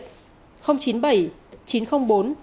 một nghìn bốn mươi một để trình báo